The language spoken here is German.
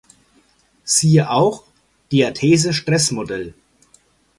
Siehe auch: "Diathese-Stress-Modell".